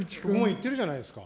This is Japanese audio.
言ってるじゃないですか。